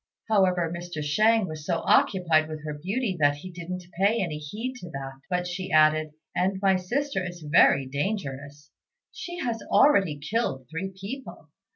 However, Mr. Shang was so occupied with her beauty, that he didn't pay any heed to that; but she added, "And my sister is very dangerous; she has already killed three people.